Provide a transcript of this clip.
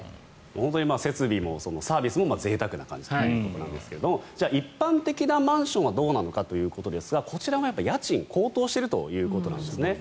設備もサービスもぜいたくな感じということですが一般的なマンションはどうなのかということですがこちらも、家賃が高騰しているということなんですね。